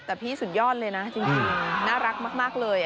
แต่พี่สุดยอดเลยนะจริงน่ารักมากเลย